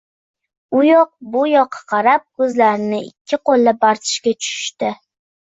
U yoq-bu yoqqa qarab, ko‘zlarini ikki qo‘llab artishga tushishdi.